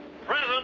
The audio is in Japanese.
はい。